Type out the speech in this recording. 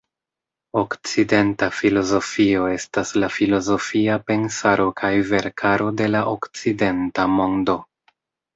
Okcidenta filozofio estas la filozofia pensaro kaj verkaro de la okcidenta mondo.